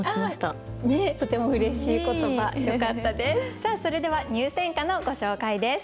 さあそれでは入選歌のご紹介です。